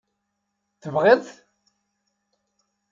Tebɣiḍ-t?